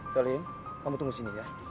saling kamu tunggu sini ya